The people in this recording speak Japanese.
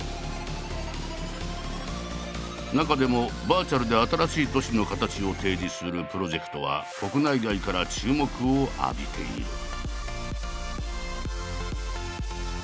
中でもバーチャルで新しい都市のカタチを提示するプロジェクトは国内外から注目を浴びている。